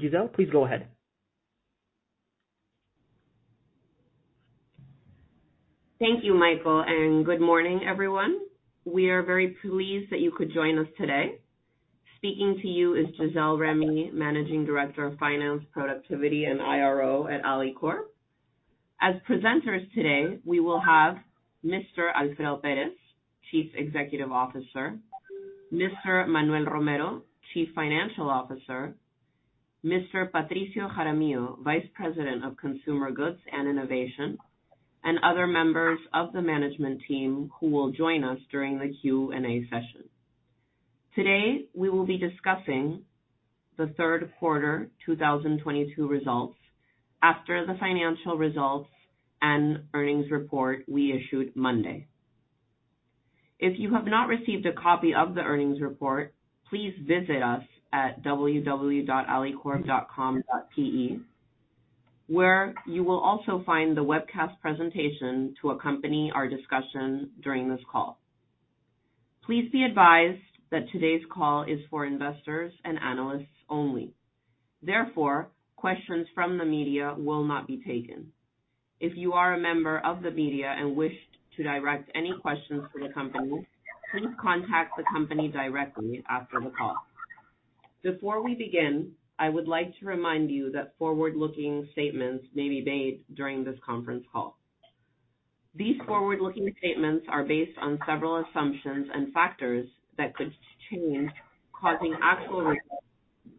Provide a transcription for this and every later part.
Gisele, please go ahead. Thank you, Michael, and good morning, everyone. We are very pleased that you could join us today. Speaking to you is Gisele Remy, Managing Director of Finance, Productivity and IRO at Alicorp. As presenters today, we will have Mr. Alfredo Pérez, Chief Executive Officer, Mr. Manuel Romero, Chief Financial Officer, Mr. Patricio Jaramillo, Vice President of Consumer Goods and Innovation, and other members of the management team who will join us during the Q&A session. Today, we will be discussing the third quarter 2022 results after the financial results and earnings report we issued Monday. If you have not received a copy of the earnings report, please visit us at www.alicorp.com.pe, where you will also find the webcast presentation to accompany our discussion during this call. Please be advised that today's call is for investors and analysts only. Therefore, questions from the media will not be taken. If you are a member of the media and wish to direct any questions to the company, please contact the company directly after the call. Before we begin, I would like to remind you that forward-looking statements may be made during this conference call. These forward-looking statements are based on several assumptions and factors that could change, causing actual results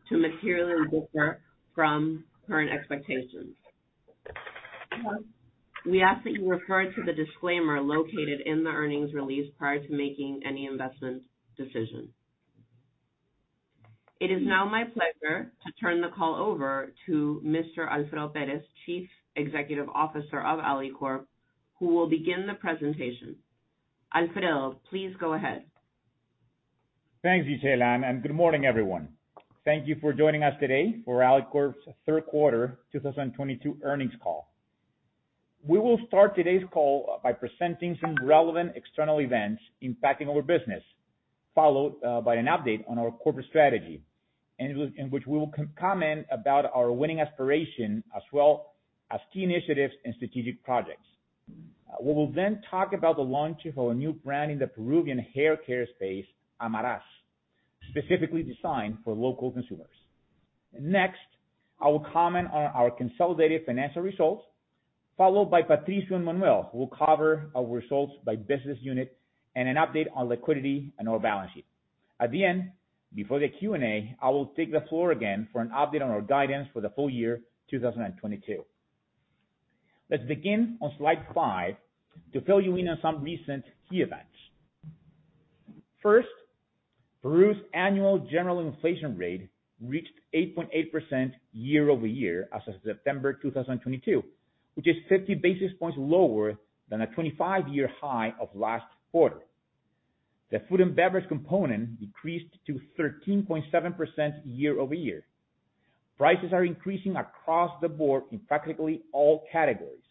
to materially differ from current expectations. We ask that you refer to the disclaimer located in the earnings release prior to making any investment decision. It is now my pleasure to turn the call over to Mr. Alfredo Pérez, Chief Executive Officer of Alicorp, who will begin the presentation. Alfredo, please go ahead. Thanks, Gisele, and good morning, everyone. Thank you for joining us today for Alicorp's third quarter 2022 earnings call. We will start today's call by presenting some relevant external events impacting our business, followed by an update on our corporate strategy, and in which we will comment about our winning aspiration, as well as key initiatives and strategic projects. We will then talk about the launch of our new brand in the Peruvian haircare space, Amarás, specifically designed for local consumers. Next, I will comment on our consolidated financial results, followed by Patricio and Manuel, who will cover our results by business unit and an update on liquidity and our balance sheet. At the end, before the Q&A, I will take the floor again for an update on our guidance for the full year 2022. Let's begin on slide five to fill you in on some recent key events. First, Peru's annual general inflation rate reached 8.8% year-over-year as of September 2022, which is 50 basis points lower than a 25-year high of last quarter. The food and beverage component decreased to 13.7% year-over-year. Prices are increasing across the board in practically all categories,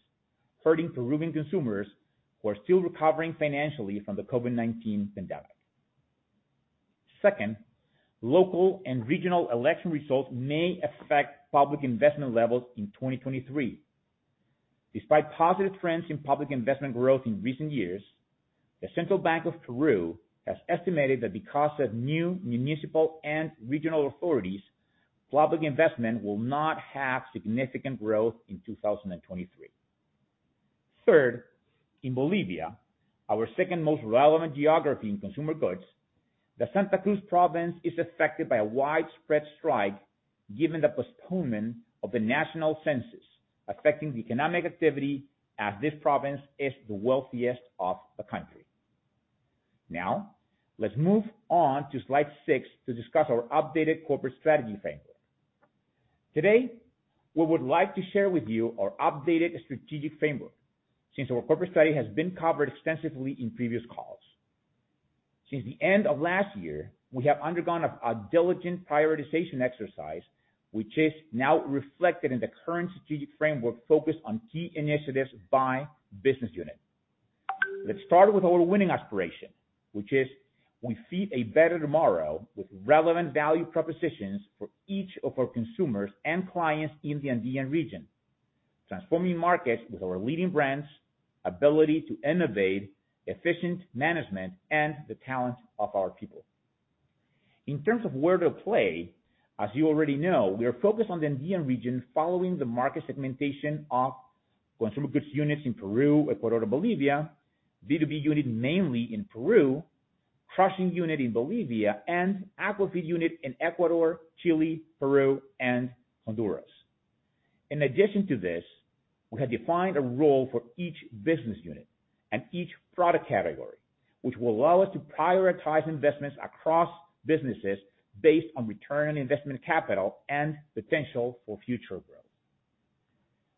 hurting Peruvian consumers who are still recovering financially from the COVID-19 pandemic. Second, local and regional election results may affect public investment levels in 2023. Despite positive trends in public investment growth in recent years, the Central Reserve Bank of Peru has estimated that because of new municipal and regional authorities, public investment will not have significant growth in 2023. Third, in Bolivia, our second most relevant geography in consumer goods, the Santa Cruz Province is affected by a widespread strike given the postponement of the national census, affecting the economic activity as this province is the wealthiest of the country. Now, let's move on to slide six to discuss our updated corporate strategy framework. Today, we would like to share with you our updated strategic framework, since our corporate strategy has been covered extensively in previous calls. Since the end of last year, we have undergone a diligent prioritization exercise, which is now reflected in the current strategic framework focused on key initiatives by business unit. Let's start with our winning aspiration, which is we feed a better tomorrow with relevant value propositions for each of our consumers and clients in the Andean region, transforming markets with our leading brands, ability to innovate, efficient management, and the talent of our people. In terms of where to play, as you already know, we are focused on the Andean region following the market segmentation of consumer goods units in Peru, Ecuador, Bolivia, B2B unit mainly in Peru, crushing unit in Bolivia, and aquaculture unit in Ecuador, Chile, Peru, and Honduras. In addition to this, we have defined a role for each business unit and each product category, which will allow us to prioritize investments across businesses based on return on investment capital and potential for future growth.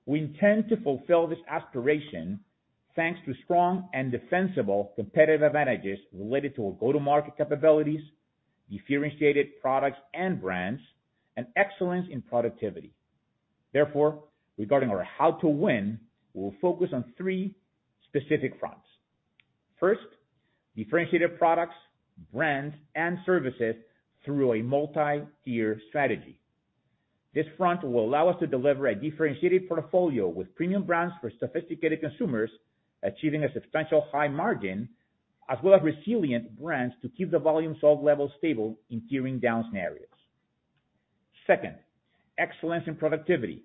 We intend to fulfill this aspiration thanks to strong and defensible competitive advantages related to our go-to-market capabilities, differentiated products and brands, and excellence in productivity. Therefore, regarding our how to win, we will focus on three specific fronts. First, differentiated products, brands, and services through a multi-tier strategy. This front will allow us to deliver a differentiated portfolio with premium brands for sophisticated consumers, achieving a substantial high margin, as well as resilient brands to keep the volume sold levels stable in tiering down scenarios. Second, excellence in productivity.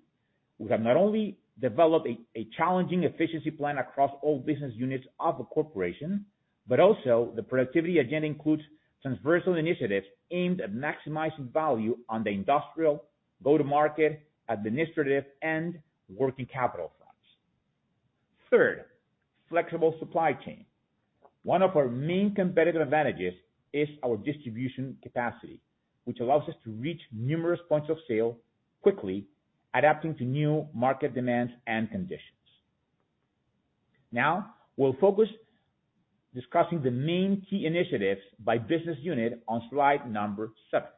We have not only developed a challenging efficiency plan across all business units of the corporation, but also the productivity agenda includes transversal initiatives aimed at maximizing value on the industrial, go-to-market, administrative, and working capital fronts. Third, flexible supply chain. One of our main competitive advantages is our distribution capacity, which allows us to reach numerous points of sale quickly, adapting to new market demands and conditions. Now we'll focus on discussing the main key initiatives by business unit on slide number seven.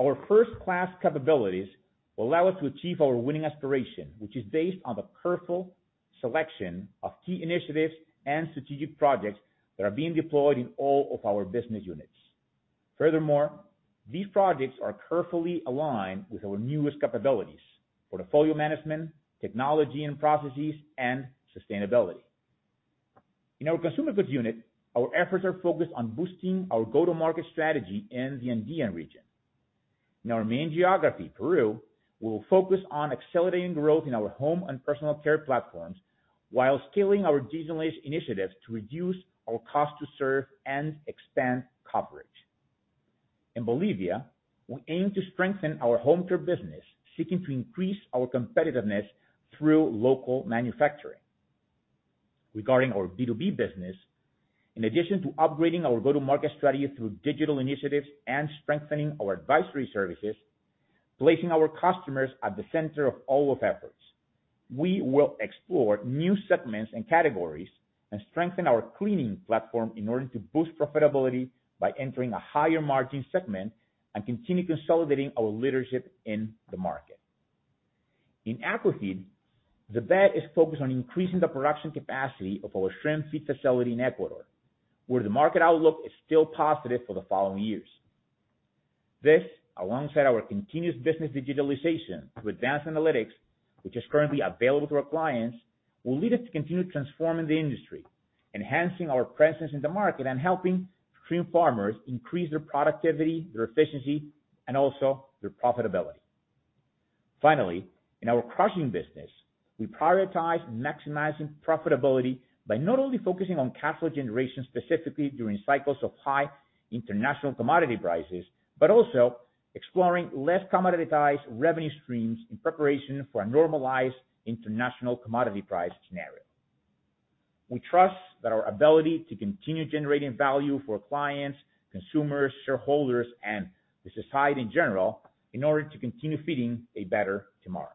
Our first-class capabilities will allow us to achieve our winning aspiration, which is based on the careful selection of key initiatives and strategic projects that are being deployed in all of our business units. Furthermore, these projects are carefully aligned with our newest capabilities, portfolio management, technology and processes, and sustainability. In our consumer goods unit, our efforts are focused on boosting our go-to-market strategy in the Andean region. In our main geography, Peru, we'll focus on accelerating growth in our home and personal care platforms while scaling our digitalization initiatives to reduce our cost to serve and expand coverage. In Bolivia, we aim to strengthen our home care business, seeking to increase our competitiveness through local manufacturing. Regarding our B2B business, in addition to upgrading our go-to-market strategy through digital initiatives and strengthening our advisory services, placing our customers at the center of all our efforts, we will explore new segments and categories and strengthen our cleaning platform in order to boost profitability by entering a higher margin segment and continue consolidating our leadership in the market. In Aquafeed, the bet is focused on increasing the production capacity of our shrimp feed facility in Ecuador, where the market outlook is still positive for the following years. This, alongside our continuous business digitalization with advanced analytics, which is currently available to our clients, will lead us to continue transforming the industry, enhancing our presence in the market, and helping shrimp farmers increase their productivity, their efficiency, and also their profitability. Finally, in our crushing business, we prioritize maximizing profitability by not only focusing on cash flow generation specifically during cycles of high international commodity prices, but also exploring less commoditized revenue streams in preparation for a normalized international commodity price scenario. We trust that our ability to continue generating value for clients, consumers, shareholders, and the society in general, in order to continue feeding a better tomorrow.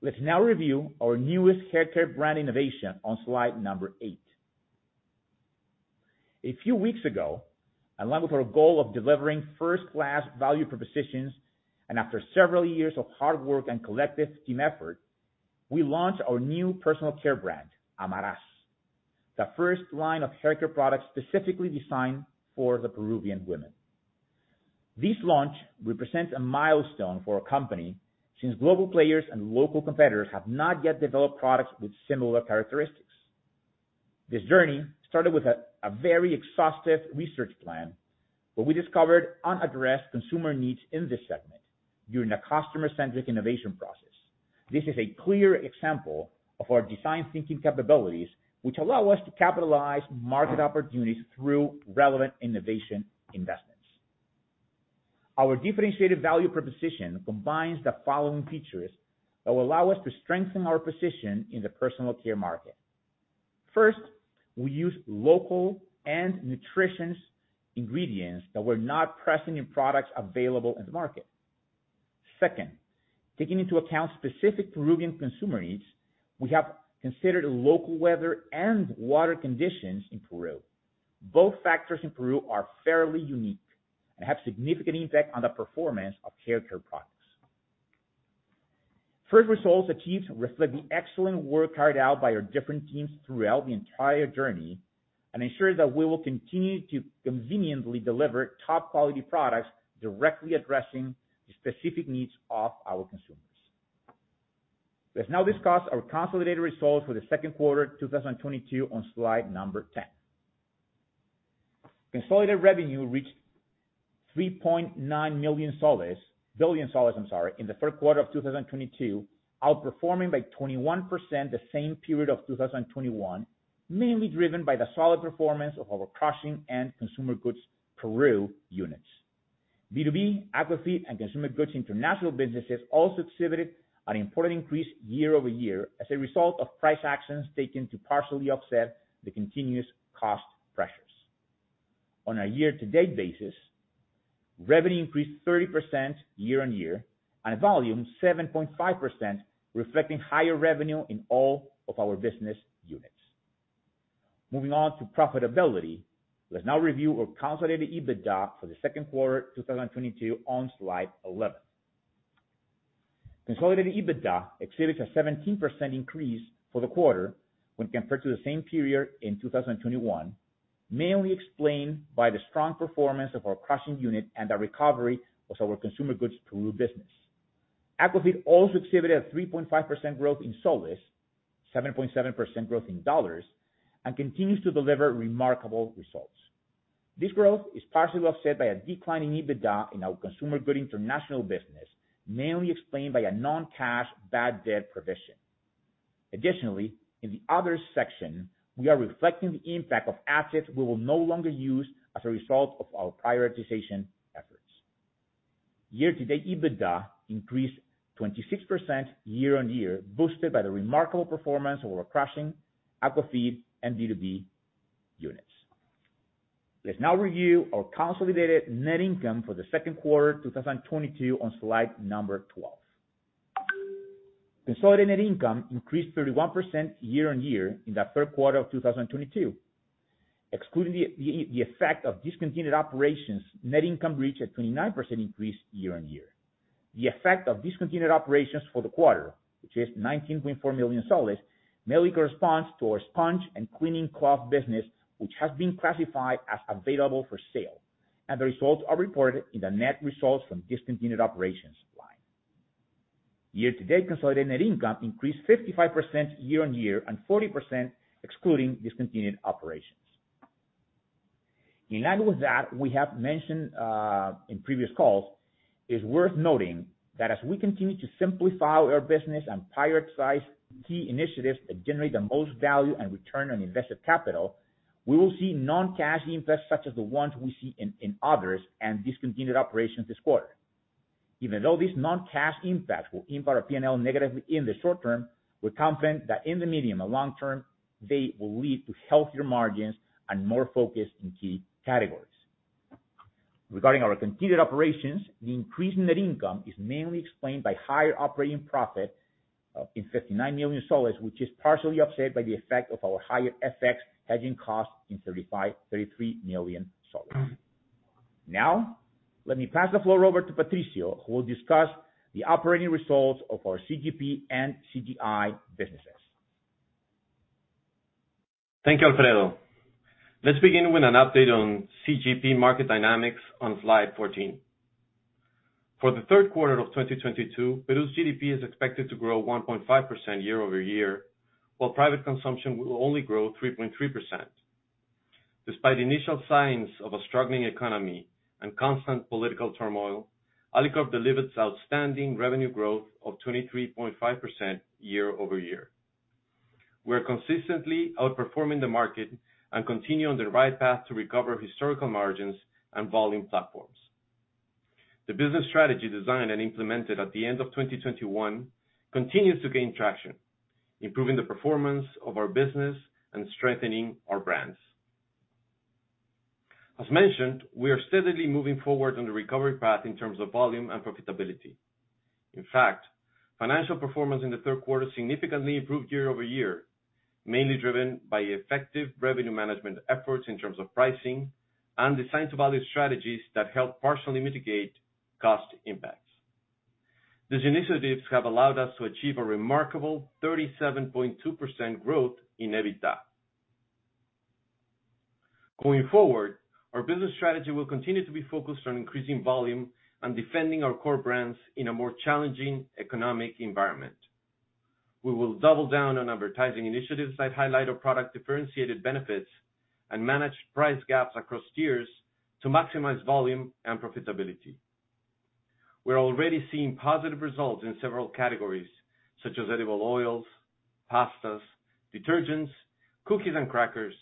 Let's now review our newest haircare brand innovation on slide number eight. A few weeks ago, along with our goal of delivering first-class value propositions, and after several years of hard work and collective team effort, we launched our new personal care brand, Amarás, the first line of haircare products specifically designed for the Peruvian women. This launch represents a milestone for our company since global players and local competitors have not yet developed products with similar characteristics. This journey started with a very exhaustive research plan, where we discovered unaddressed consumer needs in this segment during a customer-centric innovation process. This is a clear example of our design thinking capabilities, which allow us to capitalize market opportunities through relevant innovation investments. Our differentiated value proposition combines the following features that will allow us to strengthen our position in the personal care market. First, we use local and nutritious ingredients that were not present in products available in the market. Second, taking into account specific Peruvian consumer needs, we have considered local weather and water conditions in Peru. Both factors in Peru are fairly unique and have significant impact on the performance of haircare products. First results achieved reflect the excellent work carried out by our different teams throughout the entire journey and ensure that we will continue to conveniently deliver top quality products directly addressing the specific needs of our consumers. Let's now discuss our consolidated results for the second quarter 2022 on slide number 10. Consolidated revenue reached PEN 3.9 billion, I'm sorry, in the first quarter of 2022, outperforming by 21% the same period of 2021, mainly driven by the solid performance of our crushing and consumer goods Peru units. B2B, Aquafeed, and consumer goods international businesses also exhibited an important increase year-over-year as a result of price actions taken to partially offset the continuous cost pressures. On a year-to-date basis, revenue increased 30% year-on-year, and volume 7.5%, reflecting higher revenue in all of our business units. Moving on to profitability, let's now review our consolidated EBITDA for the second quarter 2022 on slide 11. Consolidated EBITDA exhibits a 17% increase for the quarter when compared to the same period in 2021, mainly explained by the strong performance of our crushing unit and the recovery of our consumer goods Peru business. Aquafeed also exhibited a 3.5% growth in soles, 7.7% growth in dollars, and continues to deliver remarkable results. This growth is partially offset by a decline in EBITDA in our consumer goods international business, mainly explained by a non-cash bad debt provision. Additionally, in the other section, we are reflecting the impact of assets we will no longer use as a result of our prioritization efforts. Year-to-date, EBITDA increased 26% year-on-year, boosted by the remarkable performance of our crushing, Aquafeed, and D2V units. Let's now review our consolidated net income for the second quarter 2022 on slide number 12. Consolidated net income increased 31% year-on-year in the third quarter of 2022. Excluding the effect of discontinued operations, net income reached a 29% increase year-on-year. The effect of discontinued operations for the quarter, which is PEN 19.4 million, mainly corresponds to our sponge and cleaning cloth business, which has been classified as available for sale, and the results are reported in the net results from discontinued operations line. Year to date, consolidated net income increased 55% year-over-year and 40% excluding discontinued operations. In line with that, we have mentioned in previous calls. It's worth noting that as we continue to simplify our business and prioritize key initiatives that generate the most value and return on invested capital, we will see non-cash impacts such as the ones we see in others and discontinued operations this quarter. Even though these non-cash impacts will impact our P&L negatively in the short term, we're confident that in the medium and long term, they will lead to healthier margins and more focus in key categories. Regarding our continued operations, the increase in net income is mainly explained by higher operating profit in PEN 59 million, which is partially offset by the effect of our higher FX hedging cost in PEN 33 million. Now, let me pass the floor over to Patricio, who will discuss the operating results of our CGP and CGI businesses. Thank you, Alfredo. Let's begin with an update on CGP market dynamics on slide 14. For the third quarter of 2022, Peru's GDP is expected to grow 1.5% year-over-year, while private consumption will only grow 3.3%. Despite initial signs of a struggling economy and constant political turmoil, Alicorp delivers outstanding revenue growth of 23.5% year-over-year. We are consistently outperforming the market and continue on the right path to recover historical margins and volume platforms. The business strategy designed and implemented at the end of 2021 continues to gain traction, improving the performance of our business and strengthening our brands. As mentioned, we are steadily moving forward on the recovery path in terms of volume and profitability. In fact, financial performance in the third quarter significantly improved year-over-year, mainly driven by effective revenue management efforts in terms of pricing and the design-to-value strategies that help partially mitigate cost impacts. These initiatives have allowed us to achieve a remarkable 37.2% growth in EBITDA. Going forward, our business strategy will continue to be focused on increasing volume and defending our core brands in a more challenging economic environment. We will double down on advertising initiatives that highlight our product-differentiated benefits and manage price gaps across tiers to maximize volume and profitability. We're already seeing positive results in several categories such as edible oils, pastas, detergents, cookies and crackers,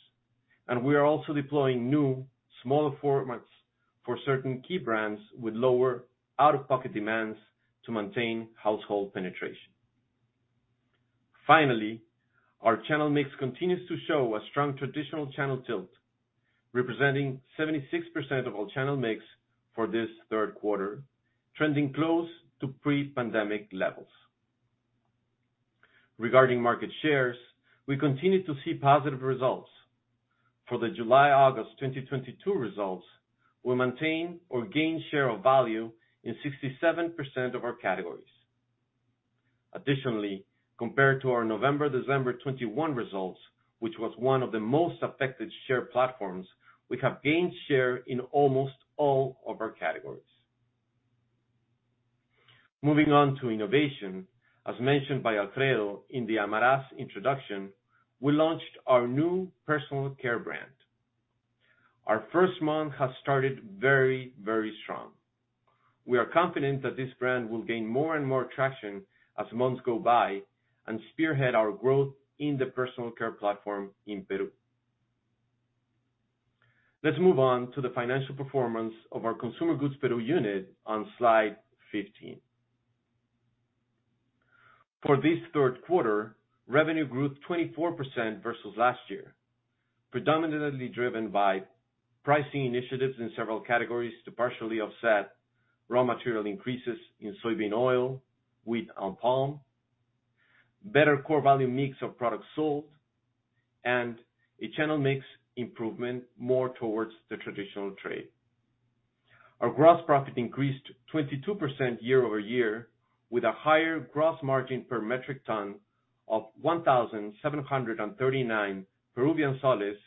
and we are also deploying new smaller formats for certain key brands with lower out-of-pocket demands to maintain household penetration. Finally, our channel mix continues to show a strong traditional channel tilt, representing 76% of all channel mix for this third quarter, trending close to pre-pandemic levels. Regarding market shares, we continue to see positive results. For the July-August 2022 results, we maintain or gain share of value in 67% of our categories. Additionally, compared to our November-December 2021 results, which was one of the most affected share platforms, we have gained share in almost all of our categories. Moving on to innovation, as mentioned by Alfredo Pérez in the Amarás introduction, we launched our new personal care brand. Our first month has started very, very strong. We are confident that this brand will gain more and more traction as months go by and spearhead our growth in the personal care platform in Peru. Let's move on to the financial performance of our consumer goods Peru unit on slide 15. For this third quarter, revenue grew 24% versus last year, predominantly driven by pricing initiatives in several categories to partially offset raw material increases in soybean oil, wheat, and palm. Better core value mix of products sold, and a channel mix improvement more towards the traditional trade. Our gross profit increased 22% year-over-year, with a higher gross margin per metric ton of PEN 1,739 versus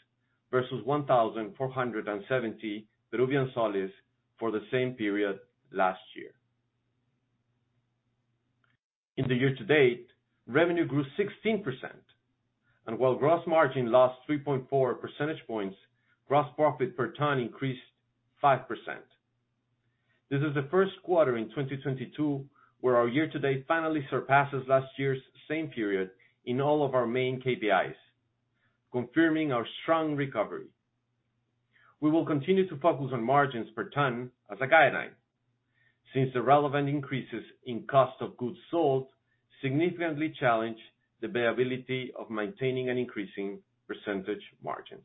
PEN 1,470 for the same period last year. In the year to date, revenue grew 16%, and while gross margin lost 3.4 percentage points, gross profit per ton increased 5%. This is the first quarter in 2022 where our year to date finally surpasses last year's same period in all of our main KPIs, confirming our strong recovery. We will continue to focus on margins per ton as a guideline, since the relevant increases in cost of goods sold significantly challenge the viability of maintaining and increasing percentage margins.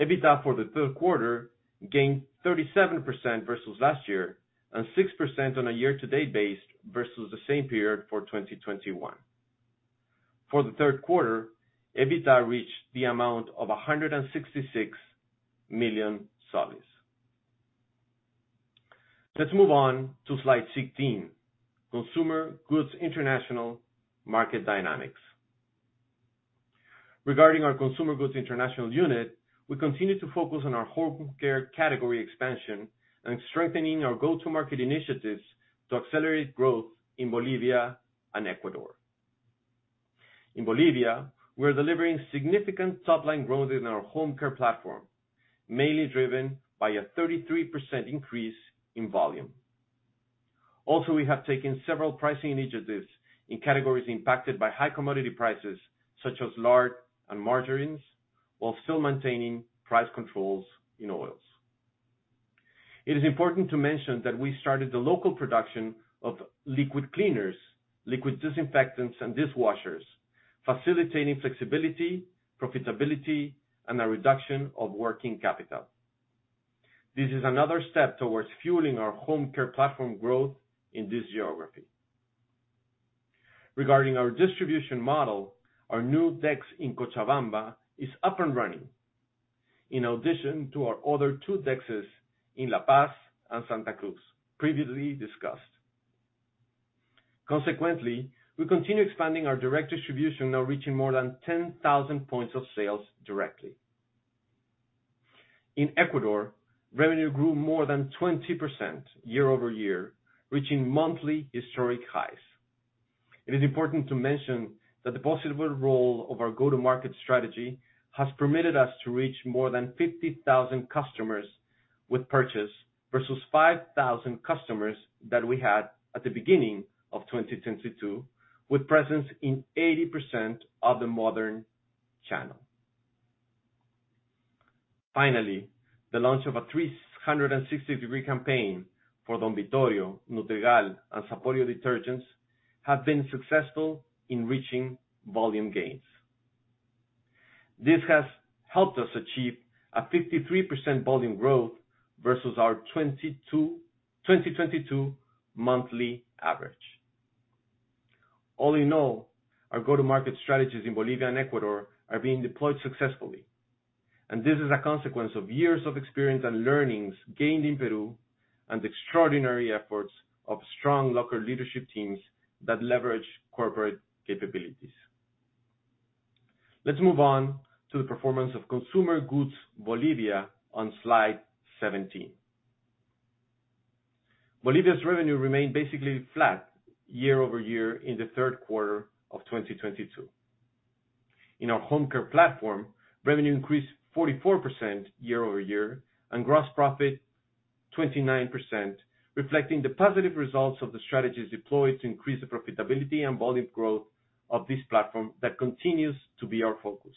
EBITDA for the third quarter gained 37% versus last year and 6% on a year to date base versus the same period for 2021. For the third quarter, EBITDA reached the amount of PEN 166 million. Let's move on to slide 16, Consumer Goods International Market Dynamics. Regarding our Consumer Goods International unit, we continue to focus on our home care category expansion and strengthening our go-to-market initiatives to accelerate growth in Bolivia and Ecuador. In Bolivia, we're delivering significant top-line growth in our home care platform, mainly driven by a 33% increase in volume. Also, we have taken several pricing initiatives in categories impacted by high commodity prices, such as lard and margarines, while still maintaining price controls in oils. It is important to mention that we started the local production of liquid cleaners, liquid disinfectants, and dishwashers, facilitating flexibility, profitability, and a reduction of working capital. This is another step towards fueling our home care platform growth in this geography. Regarding our distribution model, our new DCs in Cochabamba is up and running, in addition to our other two DCs in La Paz and Santa Cruz, previously discussed. Consequently, we continue expanding our direct distribution, now reaching more than 10,000 points of sales directly. In Ecuador, revenue grew more than 20% year-over-year, reaching monthly historic highs. It is important to mention that the positive role of our go-to-market strategy has permitted us to reach more than 50,000 customers with purchase, versus 5,000 customers that we had at the beginning of 2022, with presence in 80% of the modern channel. Finally, the launch of a 360-degree campaign for Bolívar, Nutregal, and Sapolio detergents have been successful in reaching volume gains. This has helped us achieve a 53% volume growth versus our 2022 monthly average. All in all, our go-to-market strategies in Bolivia and Ecuador are being deployed successfully. This is a consequence of years of experience and learnings gained in Peru and the extraordinary efforts of strong local leadership teams that leverage corporate capabilities. Let's move on to the performance of Consumer Goods Bolivia on slide 17. Bolivia's revenue remained basically flat year-over-year in the third quarter of 2022. In our home care platform, revenue increased 44% year-over-year and gross profit 29%, reflecting the positive results of the strategies deployed to increase the profitability and volume growth of this platform that continues to be our focus.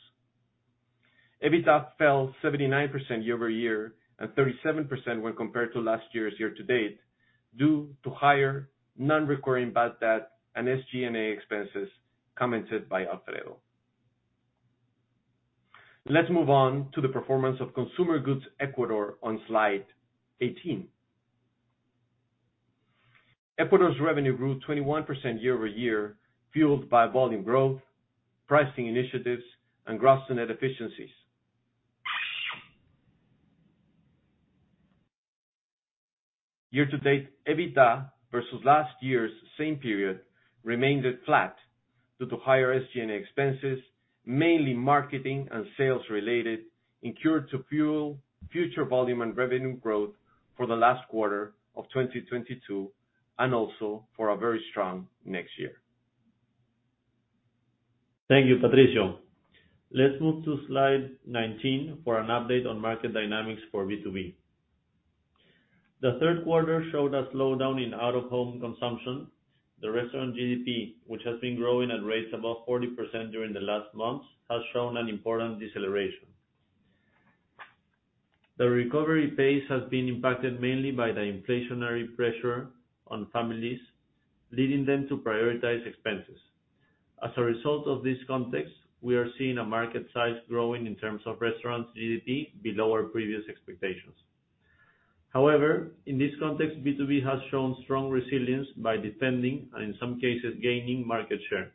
EBITDA fell 79% year-over-year and 37% when compared to last year's year-to-date, due to higher non-recurring bad debt and SG&A expenses commented by Alfredo. Let's move on to the performance of Consumer Goods Ecuador on slide 18. Ecuador's revenue grew 21% year-over-year, fueled by volume growth, pricing initiatives, and gross to net efficiencies. Year to date, EBITDA versus last year's same period remained flat due to higher SG&A expenses, mainly marketing and sales related, incurred to fuel future volume and revenue growth for the last quarter of 2022, and also for a very strong next year. Thank you, Patricio. Let's move to slide 19 for an update on market dynamics for B2B. The third quarter showed a slowdown in out-of-home consumption. The restaurant GDP, which has been growing at rates above 40% during the last months, has shown an important deceleration. The recovery pace has been impacted mainly by the inflationary pressure on families, leading them to prioritize expenses. As a result of this context, we are seeing a market size growing in terms of restaurants' GDP below our previous expectations. However, in this context, B2B has shown strong resilience by defending, and in some cases, gaining market share.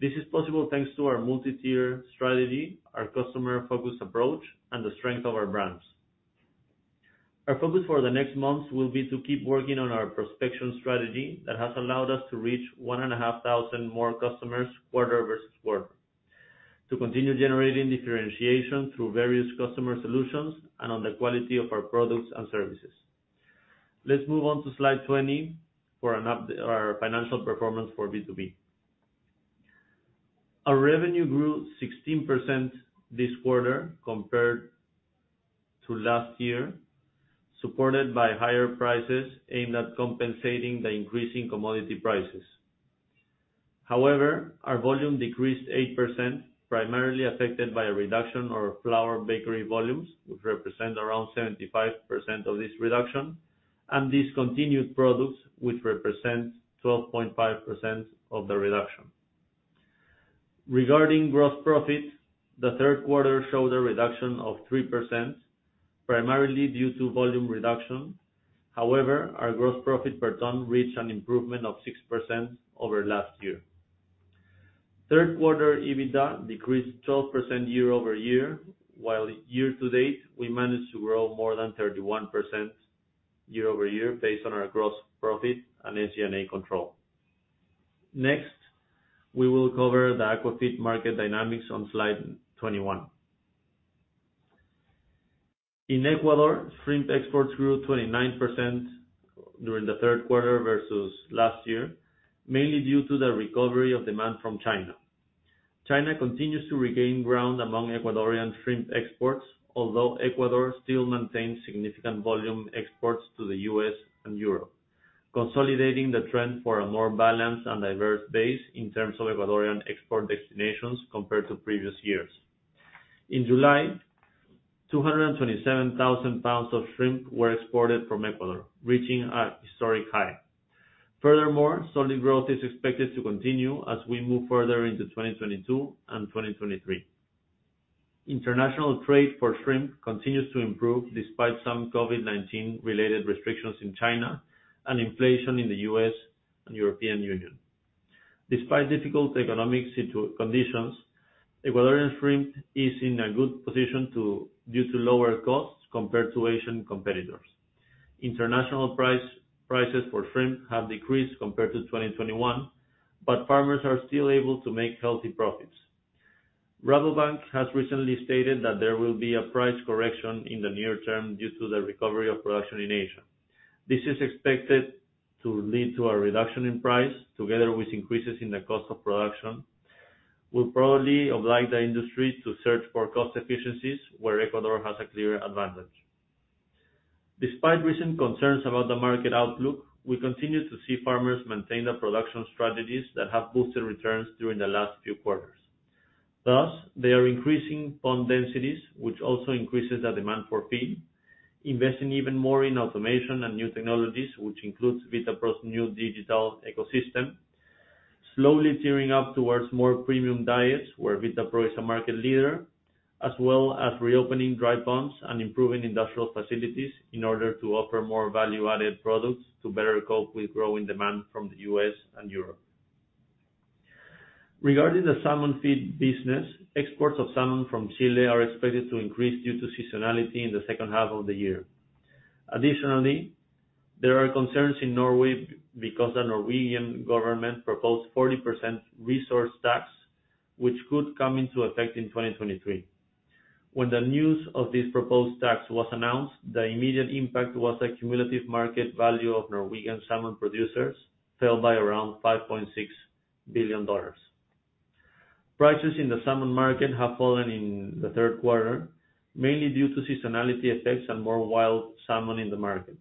This is possible thanks to our multi-tier strategy, our customer focused approach, and the strength of our brands. Our focus for the next months will be to keep working on our prospection strategy that has allowed us to reach 1,500 more customers quarter-over-quarter. To continue generating differentiation through various customer solutions and on the quality of our products and services. Let's move on to slide 20 for an update on financial performance for B2B. Our revenue grew 16% this quarter compared to last year, supported by higher prices aimed at compensating the increasing commodity prices. However, our volume decreased 8%, primarily affected by a reduction of flour bakery volumes, which represent around 75% of this reduction, and discontinued products which represent 12.5% of the reduction. Regarding gross profit, the third quarter showed a reduction of 3%, primarily due to volume reduction. However, our gross profit per ton reached an improvement of 6% over last year. Third quarter EBITDA decreased 12% year-over-year, while year to date, we managed to grow more than 31% year-over-year based on our gross profit and SG&A control. Next, we will cover the Aquafeed market dynamics on slide 21. In Ecuador, shrimp exports grew 29% during the third quarter versus last year, mainly due to the recovery of demand from China. China continues to regain ground among Ecuadorian shrimp exports. Although Ecuador still maintains significant volume exports to the U.S. and Europe, consolidating the trend for a more balanced and diverse base in terms of Ecuadorian export destinations compared to previous years. In July, 227,000 pounds of shrimp were exported from Ecuador, reaching a historic high. Furthermore, solid growth is expected to continue as we move further into 2022 and 2023. International trade for shrimp continues to improve despite some COVID-19 related restrictions in China and inflation in the U.S. and European Union. Despite difficult economic conditions, Ecuadorian shrimp is in a good position to due to lower costs compared to Asian competitors. International prices for shrimp have decreased compared to 2021, but farmers are still able to make healthy profits. Rabobank has recently stated that there will be a price correction in the near term due to the recovery of production in Asia. This is expected to lead to a reduction in price, together with increases in the cost of production, will probably oblige the industry to search for cost efficiencies where Ecuador has a clear advantage. Despite recent concerns about the market outlook, we continue to see farmers maintain their production strategies that have boosted returns during the last few quarters. Thus, they are increasing pond densities, which also increases the demand for feed, investing even more in automation and new technologies, which includes Vitapro's new digital ecosystem, slowly tearing up towards more premium diets where Vitapro is a market leader, as well as reopening dry ponds and improving industrial facilities in order to offer more value added products to better cope with growing demand from the U.S. and Europe. Regarding the salmon feed business, exports of salmon from Chile are expected to increase due to seasonality in the second half of the year. Additionally, there are concerns in Norway because the Norwegian government proposed 40% resource tax, which could come into effect in 2023. When the news of this proposed tax was announced, the immediate impact was a cumulative market value of Norwegian salmon producers fell by around $5.6 billion. Prices in the salmon market have fallen in the third quarter, mainly due to seasonality effects and more wild salmon in the market.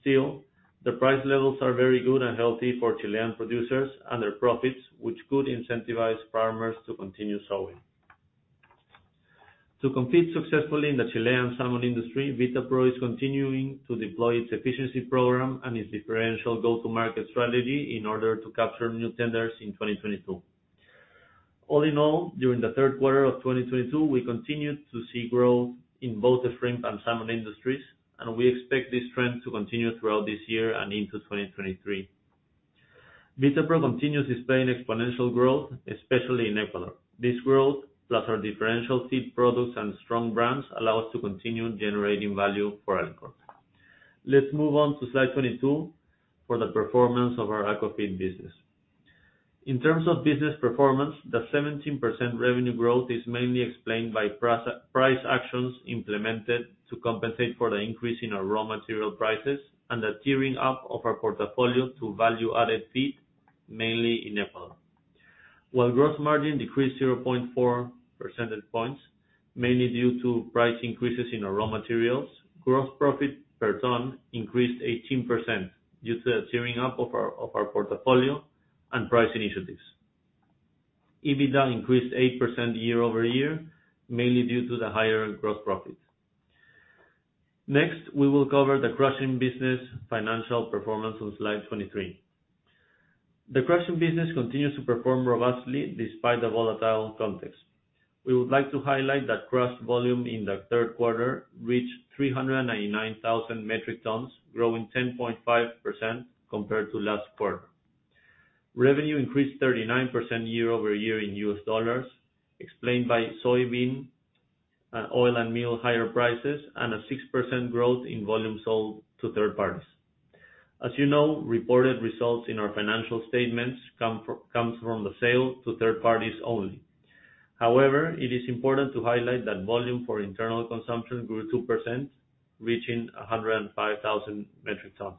Still, the price levels are very good and healthy for Chilean producers and their profits, which could incentivize farmers to continue sowing. To compete successfully in the Chilean salmon industry, Vitapro is continuing to deploy its efficiency program and its differential go-to-market strategy in order to capture new tenders in 2022. All in all, during the third quarter of 2022, we continued to see growth in both the shrimp and salmon industries, and we expect this trend to continue throughout this year and into 2023. Vitapro continues displaying exponential growth, especially in Ecuador. This growth, plus our differential seed products and strong brands, allow us to continue generating value for Alicrop. Let's move on to slide 22 for the performance of our Aquafeed business. In terms of business performance, the 17% revenue growth is mainly explained by price actions implemented to compensate for the increase in our raw material prices and the tiering up of our portfolio to value added feed, mainly in Ecuador. While gross margin decreased 0.4 percentage points, mainly due to price increases in our raw materials, gross profit per ton increased 18% due to the tiering up of our portfolio and price initiatives. EBITDA increased 8% year-over-year, mainly due to the higher gross profit. Next, we will cover the crushing business financial performance on slide 23. The crushing business continues to perform robustly despite the volatile context. We would like to highlight that crushed volume in the third quarter reached 399,000 metric tons, growing 10.5% compared to last quarter. Revenue increased 39% year-over-year in US dollars, explained by soybean oil and meal higher prices, and a 6% growth in volume sold to third parties. As you know, reported results in our financial statements comes from the sale to third parties only. However, it is important to highlight that volume for internal consumption grew 2%, reaching 105,000 metric tons.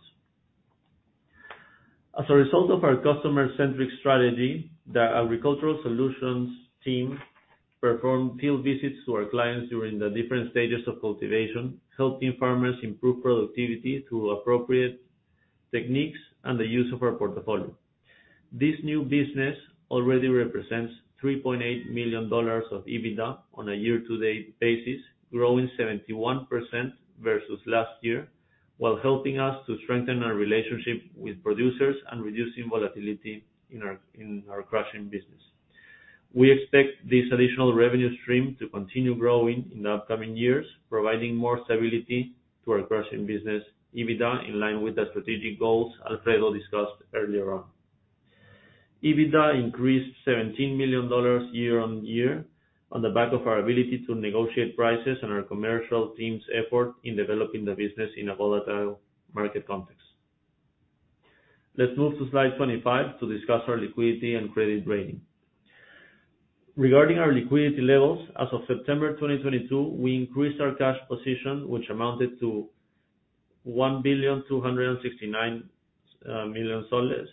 As a result of our customer-centric strategy, the agricultural solutions team performed field visits to our clients during the different stages of cultivation, helping farmers improve productivity through appropriate techniques and the use of our portfolio. This new business already represents $3.8 million of EBITDA on a year-to-date basis, growing 71% versus last year, while helping us to strengthen our relationship with producers and reducing volatility in our crushing business. We expect this additional revenue stream to continue growing in the upcoming years, providing more stability to our crushing business, EBITDA, in line with the strategic goals Alfredo discussed earlier on. EBITDA increased $17 million year-on-year on the back of our ability to negotiate prices and our commercial team's effort in developing the business in a volatile market context. Let's move to slide 25 to discuss our liquidity and credit rating. Regarding our liquidity levels, as of September 2022, we increased our cash position, which amounted to PEN 1,269 million, PEN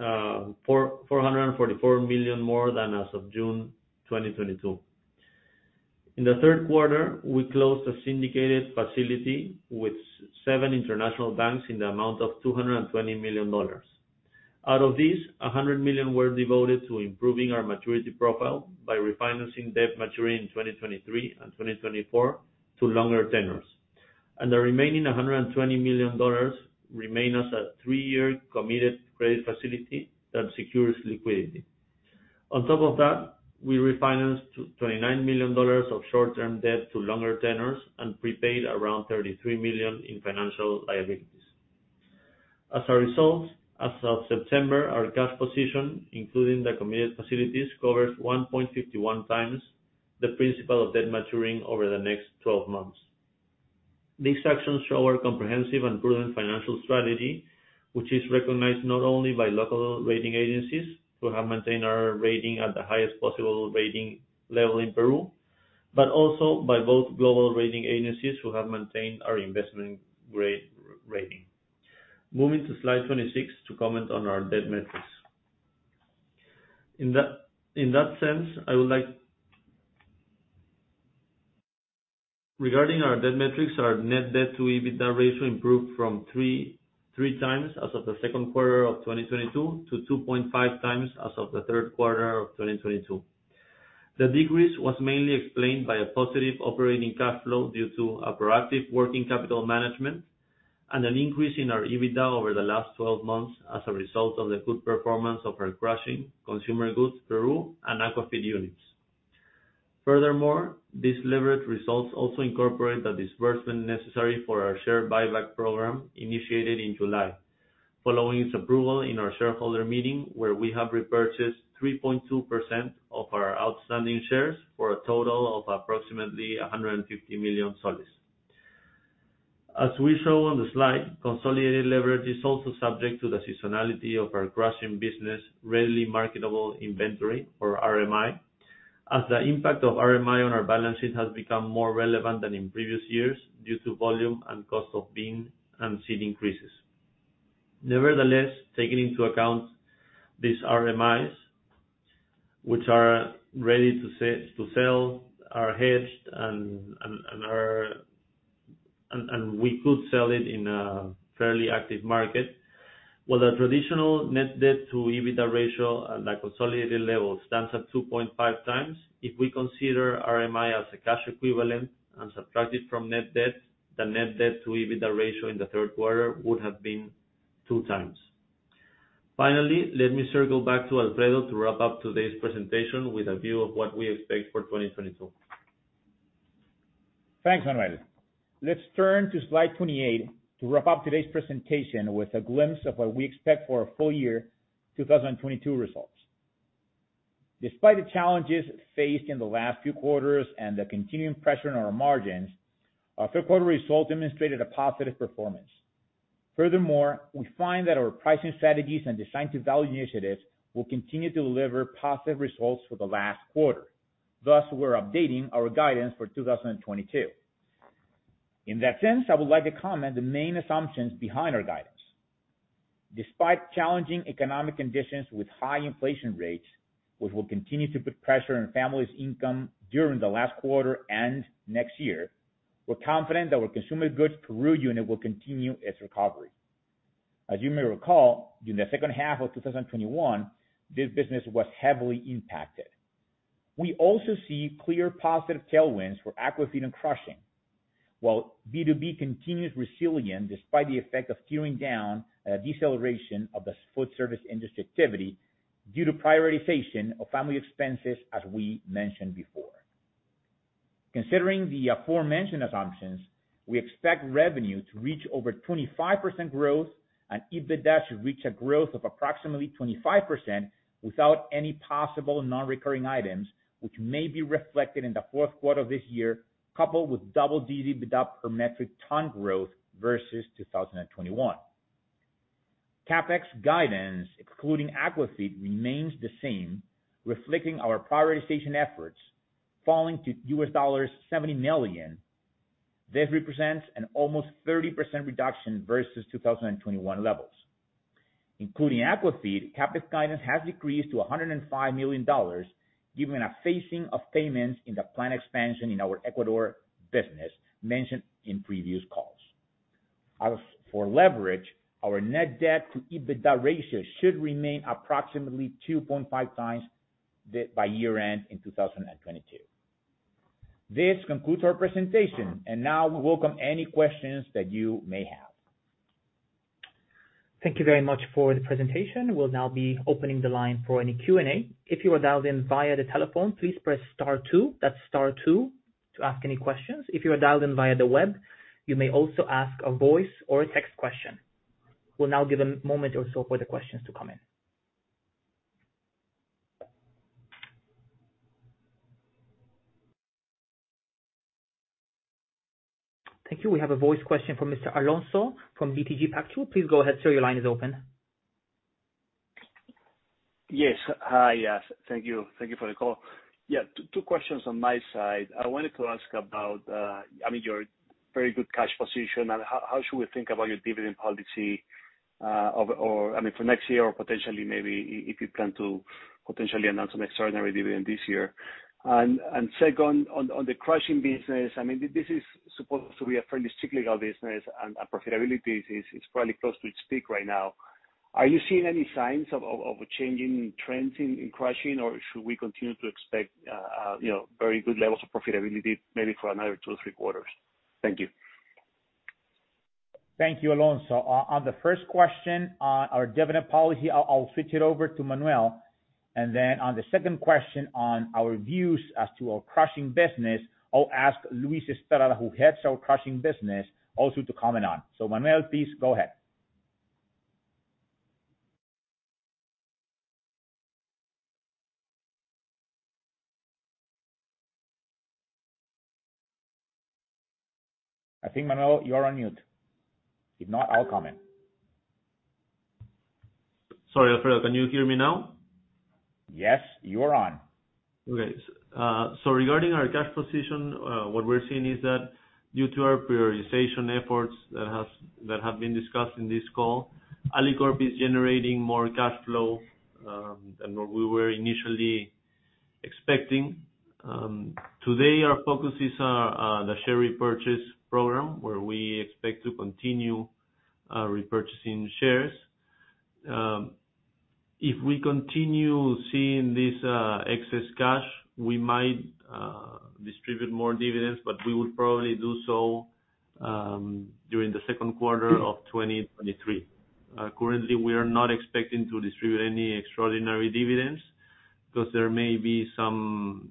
444 million more than as of June 2022. In the third quarter, we closed a syndicated facility with seven international banks in the amount of $220 million. Out of these, $100 million were devoted to improving our maturity profile by refinancing debt maturing in 2023 and 2024 to longer tenors. The remaining $120 million remain as a three-year committed credit facility that secures liquidity. On top of that, we refinanced twenty-nine million dollars of short-term debt to longer tenors and prepaid around $33 million in financial liabilities. As a result, as of September, our cash position, including the committed facilities, covers 1.51 times the principal of debt maturing over the next 12 months. These actions show our comprehensive and prudent financial strategy, which is recognized not only by local rating agencies, who have maintained our rating at the highest possible rating level in Peru, but also by both global rating agencies who have maintained our investment grade rating. Moving to slide 26 to comment on our debt metrics. Regarding our debt metrics, our net debt to EBITDA ratio improved from 3 times as of the second quarter of 2022 to 2.5 times as of the third quarter of 2022. The decrease was mainly explained by a positive operating cash flow due to a proactive working capital management and an increase in our EBITDA over the last 12 months as a result of the good performance of our crushing consumer goods Peru and Aquafeed units. Furthermore, these levered results also incorporate the disbursement necessary for our share buyback program initiated in July, following its approval in our shareholder meeting, where we have repurchased 3.2% of our outstanding shares for a total of approximately PEN 150 million. As we show on the slide, consolidated leverage is also subject to the seasonality of our crushing business, readily marketable inventory or RMI, as the impact of RMI on our balance sheet has become more relevant than in previous years due to volume and cost of bean and seed increases. Nevertheless, taking into account these RMIs, which are ready to sell, are hedged and we could sell it in a fairly active market with a traditional net debt to EBITDA ratio at a consolidated level stands at 2.5 times. If we consider RMI as a cash equivalent and subtract it from net debt, the net debt to EBITDA ratio in the third quarter would have been two times. Finally, let me circle back to Alfredo to wrap up today's presentation with a view of what we expect for 2022. Thanks, Manuel. Let's turn to slide 28 to wrap up today's presentation with a glimpse of what we expect for our full year 2022 results. Despite the challenges faced in the last few quarters and the continuing pressure on our margins, our third quarter results demonstrated a positive performance. Furthermore, we find that our pricing strategies and the design-to-value initiatives will continue to deliver positive results for the last quarter. Thus, we're updating our guidance for 2022. In that sense, I would like to comment on the main assumptions behind our guidance. Despite challenging economic conditions with high inflation rates, which will continue to put pressure on families' income during the last quarter and next year, we're confident that our consumer goods Peru unit will continue its recovery. As you may recall, during the second half of 2021, this business was heavily impacted. We also see clear positive tailwinds for Aquafeed and crushing. While B2B continues resilient despite the effect of tearing down a deceleration of the food service industry activity due to prioritization of family expenses, as we mentioned before. Considering the aforementioned assumptions, we expect revenue to reach over 25% growth and EBITDA should reach a growth of approximately 25% without any possible non-recurring items, which may be reflected in the fourth quarter of this year, coupled with double-digit EBITDA per metric ton growth versus 2021. CapEx guidance, excluding Aquafeed, remains the same, reflecting our prioritization efforts, falling to $70 million. This represents an almost 30% reduction versus 2021 levels. Including Aquafeed, CapEx guidance has decreased to $105 million, given a phasing of payments in the plant expansion in our Ecuador business mentioned in previous calls. As for leverage, our net debt to EBITDA ratio should remain approximately 2.5 times by year-end in 2022. This concludes our presentation, and now we welcome any questions that you may have. Thank you very much for the presentation. We'll now be opening the line for any Q&A. If you are dialed in via the telephone, please press star two, that's star two, to ask any questions. If you are dialed in via the web, you may also ask a voice or a text question. We'll now give a moment or so for the questions to come in. Thank you. We have a voice question from Mr. Alonso from BTG Pactual. Please go ahead, sir. Your line is open. Yes. Hi. Thank you. Thank you for the call. Yeah, two questions on my side. I wanted to ask about, I mean, your very good cash position and how should we think about your dividend policy, I mean, for next year or potentially maybe if you plan to potentially announce an extraordinary dividend this year. Second, on the crushing business, I mean, this is supposed to be a fairly cyclical business and our profitability is probably close to its peak right now. Are you seeing any signs of changing trends in crushing? Or should we continue to expect, you know, very good levels of profitability maybe for another two or three quarters? Thank you. Thank you, Alonso. On the first question on our dividend policy, I'll switch it over to Manuel. On the second question on our views as to our crushing business, I'll ask Luis Estrada, who heads our crushing business, also to comment on. Manuel, please go ahead. I think, Manuel, you are on mute. If not, I'll comment. Sorry, Alfredo. Can you hear me now? Yes, you're on. Okay. Regarding our cash position, what we're seeing is that due to our prioritization efforts that have been discussed in this call, Alicorp is generating more cash flow than what we were initially expecting. Today our focus is on the share repurchase program, where we expect to continue repurchasing shares. If we continue seeing this excess cash, we might distribute more dividends, but we would probably do so during the second quarter of 2023. Currently, we are not expecting to distribute any extraordinary dividends because there may be some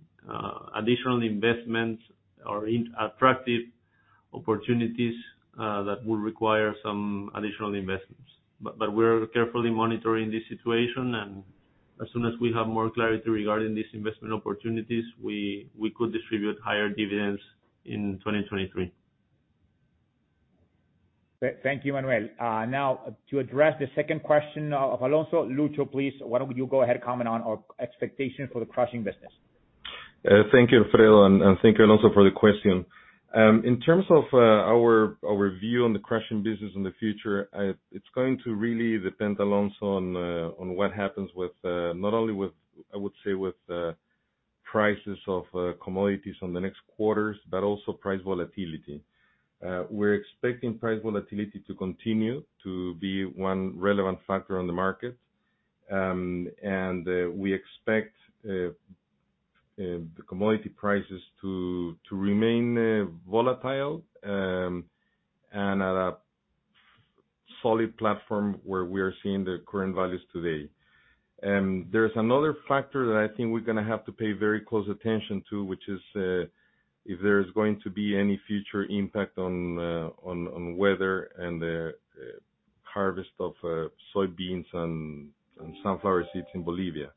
additional investments or attractive opportunities that would require some additional investments. But we're carefully monitoring the situation, and as soon as we have more clarity regarding these investment opportunities, we could distribute higher dividends in 2023. Thank you, Manuel. Now to address the second question of Alonso. Lucho, please, why don't you go ahead and comment on our expectations for the crushing business? Thank you, Alfredo, and thank you, Alonso, for the question. In terms of our view on the crushing business in the future, it's going to really depend, Alonso, on what happens with not only with, I would say, with prices of commodities on the next quarters, but also price volatility. We're expecting price volatility to continue to be one relevant factor on the market. We expect the commodity prices to remain volatile and at a solid platform where we are seeing the current values today. There's another factor that I think we're gonna have to pay very close attention to, which is if there's going to be any future impact on weather and the harvest of soybeans and sunflower seeds in Bolivia.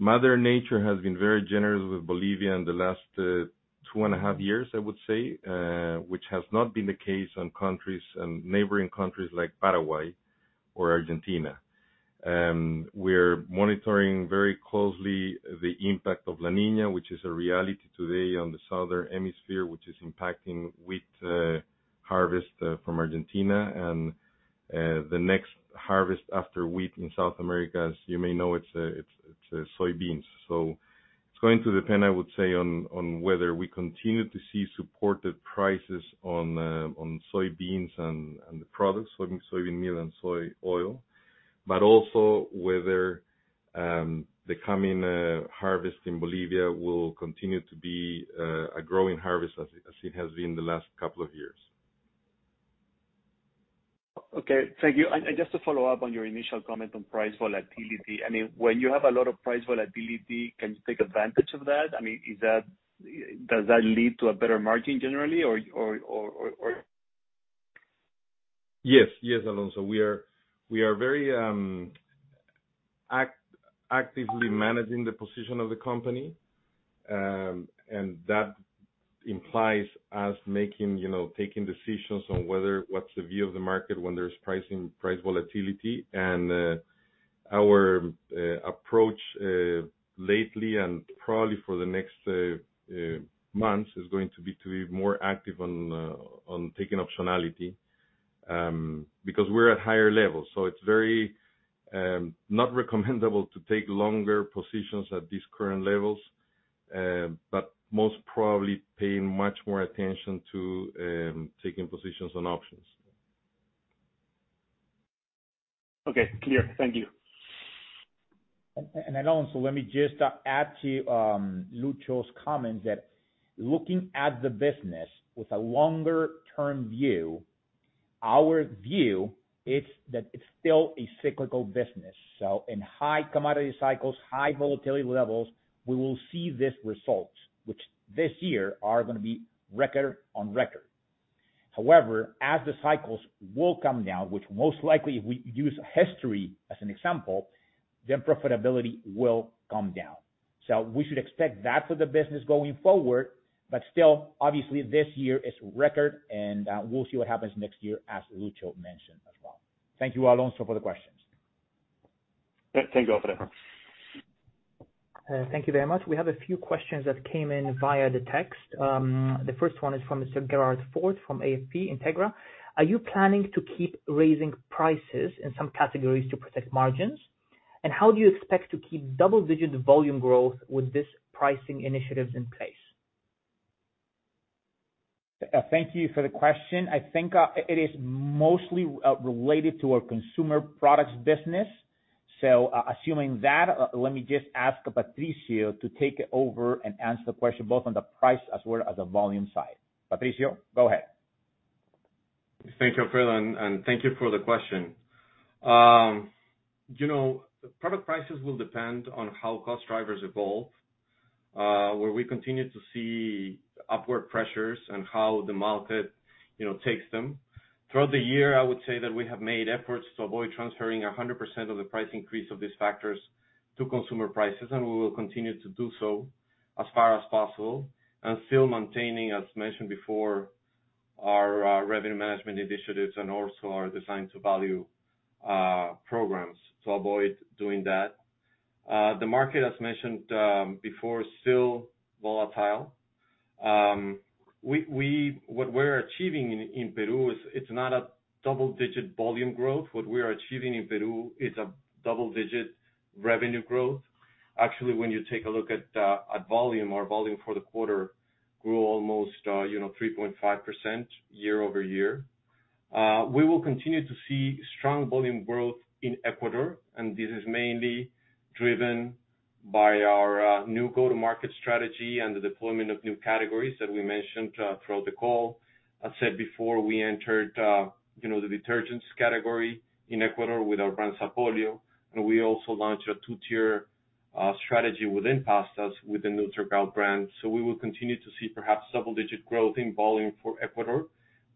Mother nature has been very generous with Bolivia in the last two and a half years, I would say, which has not been the case in countries and neighboring countries like Paraguay or Argentina. We're monitoring very closely the impact of La Niña, which is a reality today in the Southern Hemisphere, which is impacting wheat harvest from Argentina. The next harvest after wheat in South America, as you may know, it's soybeans. It's going to depend, I would say, on whether we continue to see supported prices on soybeans and the products, so in soybean meal and soy oil. Also whether the coming harvest in Bolivia will continue to be a growing harvest as it has been the last couple of years. Okay, thank you. Just to follow up on your initial comment on price volatility. I mean, when you have a lot of price volatility, can you take advantage of that? I mean, does that lead to a better margin generally? Or Yes. Yes, Alonso. We are very actively managing the position of the company. That implies us making, you know, taking decisions on whether what's the view of the market when there's pricing, price volatility. Our approach lately and probably for the next months is going to be to be more active on taking optionality, because we're at higher levels. It's very not recommendable to take longer positions at these current levels. Most probably paying much more attention to taking positions on options. Okay, clear. Thank you. Alonso, let me just add to Lucho's comments that looking at the business with a longer-term view, our view is that it's still a cyclical business. In high commodity cycles, high volatility levels, we will see these results, which this year are gonna be record on record. However, as the cycles will come down, which most likely, if we use history as an example, then profitability will come down. We should expect that for the business going forward. Still, obviously, this year is record, and we'll see what happens next year, as Lucho mentioned as well. Thank you, Alonso, for the questions. Thank you, Alfredo Pérez. Thank you very much. We have a few questions that came in via the text. The first one is from Mr. Gerardo Ford from AFP Integra. Are you planning to keep raising prices in some categories to protect margins? How do you expect to keep double-digit volume growth with this pricing initiatives in place? Thank you for the question. I think it is mostly related to our consumer products business. Assuming that, let me just ask Patricio to take over and answer the question, both on the price as well as the volume side. Patricio, go ahead. Thank you, Alfredo, and thank you for the question. You know, product prices will depend on how cost drivers evolve, where we continue to see upward pressures and how the market, you know, takes them. Throughout the year, I would say that we have made efforts to avoid transferring 100% of the price increase of these factors to consumer prices, and we will continue to do so as far as possible, and still maintaining, as mentioned before, our revenue management initiatives and also our design-to-value programs to avoid doing that. The market, as mentioned before, is still volatile. What we're achieving in Peru is it's not a double-digit volume growth. What we are achieving in Peru is a double-digit revenue growth. Actually, when you take a look at volume, our volume for the quarter grew almost, you know, 3.5% year-over-year. We will continue to see strong volume growth in Ecuador, and this is mainly driven by our new go-to-market strategy and the deployment of new categories that we mentioned throughout the call. I said before, we entered, you know, the detergents category in Ecuador with our brand, Sapolio, and we also launched a two-tier strategy within pastas with the new Turcal brand. We will continue to see perhaps double-digit growth in volume for Ecuador.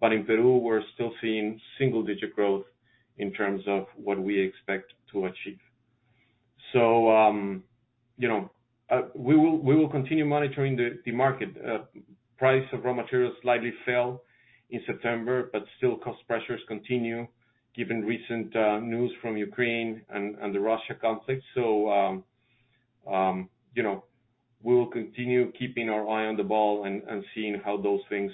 But in Peru, we're still seeing single-digit growth in terms of what we expect to achieve. We will continue monitoring the market. Price of raw materials slightly fell in September, but still cost pressures continue given recent news from Ukraine and the Russia conflict. You know, we will continue keeping our eye on the ball and seeing how those things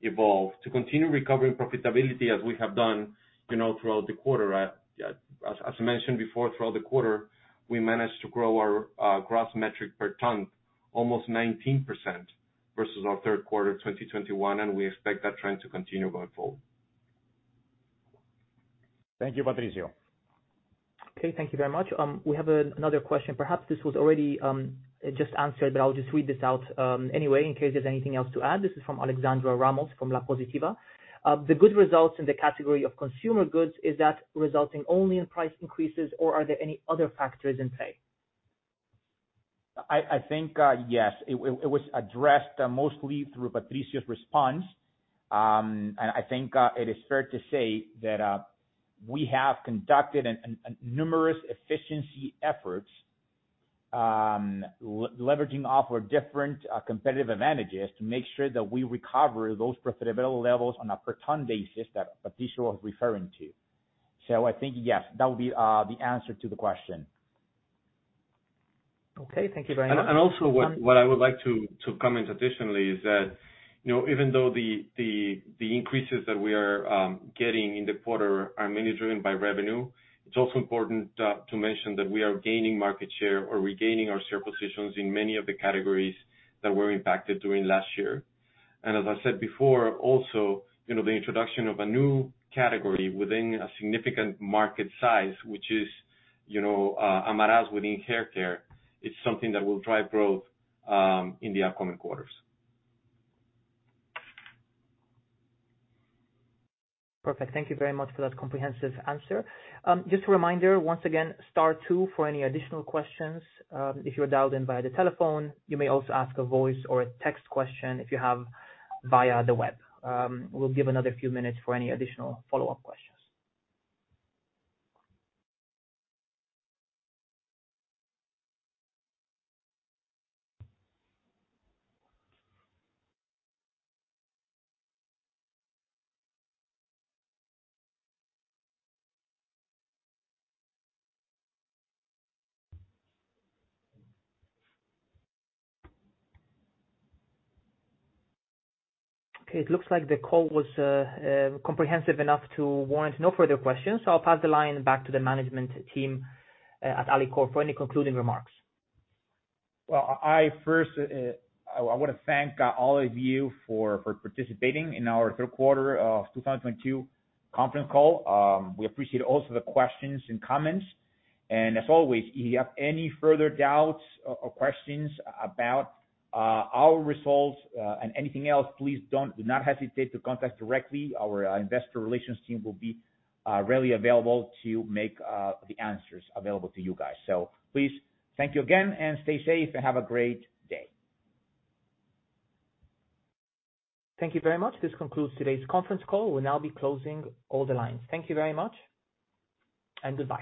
evolve. To continue recovering profitability as we have done, you know, throughout the quarter. As mentioned before, throughout the quarter, we managed to grow our gross margin per ton almost 19% versus our third quarter of 2021, and we expect that trend to continue going forward. Thank you, Patricio. Okay, thank you very much. We have another question. Perhaps this was already just answered, but I'll just read this out anyway in case there's anything else to add. This is from Alexandra Ramos, from La Positiva. The good results in the category of consumer goods, is that resulting only in price increases, or are there any other factors in play? I think yes, it was addressed mostly through Patricio's response. I think it is fair to say that we have conducted numerous efficiency efforts, leveraging off our different competitive advantages to make sure that we recover those profitability levels on a per-ton basis that Patricio was referring to. I think yes, that would be the answer to the question. Okay, thank you very much. Also what I would like to comment additionally is that, you know, even though the increases that we are getting in the quarter are mainly driven by revenue, it's also important to mention that we are gaining market share or regaining our share positions in many of the categories that were impacted during last year. As I said before, also, you know, the introduction of a new category within a significant market size, which is, you know, Amarás within hair care, is something that will drive growth in the upcoming quarters. Perfect. Thank you very much for that comprehensive answer. Just a reminder, once again, star two for any additional questions, if you're dialed in via the telephone. You may also ask a voice or a text question if you have via the web. We'll give another few minutes for any additional follow-up questions. Okay, it looks like the call was comprehensive enough to warrant no further questions, so I'll pass the line back to the management team at Alicorp for any concluding remarks. Well, I first wanna thank all of you for participating in our third quarter of 2022 conference call. We appreciate also the questions and comments. As always, if you have any further doubts or questions about our results and anything else, please do not hesitate to contact directly. Our Investor Relations team will be readily available to make the answers available to you guys. Please, thank you again and stay safe and have a great day. Thank you very much. This concludes today's conference call. We'll now be closing all the lines. Thank you very much and goodbye.